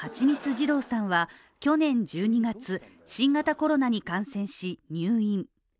二郎さんは去年１２月、新型コロナに感染し入院。